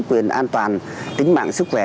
quyền an toàn tính mạng sức khỏe